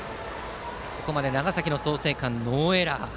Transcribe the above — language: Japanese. ここまで長崎・創成館はノーエラー。